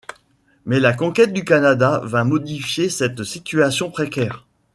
Mais la conquête du Canada vint modifier cette situation précaire.